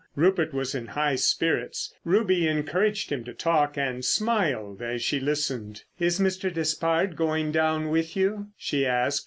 Rupert was in high spirits. Ruby encouraged him to talk, and smiled as she listened. "Is Mr. Despard going down with you?" she asked.